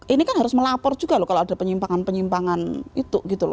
ini kan harus melapor juga loh kalau ada penyimpangan penyimpangan itu gitu loh